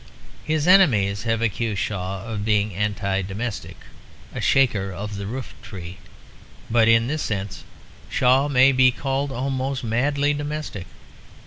His enemies have accused Shaw of being anti domestic, a shaker of the roof tree. But in this sense Shaw may be called almost madly domestic.